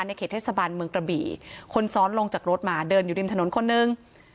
เขตเทศบาลเมืองกระบี่คนซ้อนลงจากรถมาเดินอยู่ริมถนนคนนึง